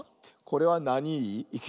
これはなに「い」？